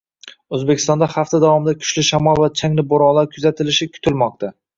O‘zbekistonda hafta davomida kuchli shamol va changli bo‘ronlar kuzatilishi kutilmoqda